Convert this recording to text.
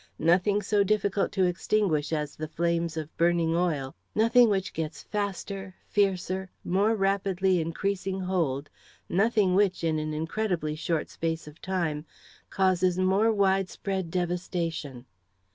Nothing so difficult to extinguish as the flames of burning oil. Nothing which gets faster, fiercer, more rapidly increasing hold nothing which, in an incredibly short space of time, causes more widespread devastation.